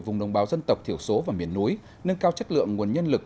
vùng đồng bào dân tộc thiểu số và miền núi nâng cao chất lượng nguồn nhân lực